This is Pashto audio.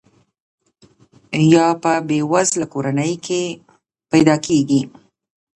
یا په بې وزله کورنۍ کې پیدا کیږي.